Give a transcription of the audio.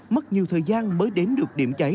mất nhiều thời gian mới đến được điểm cháy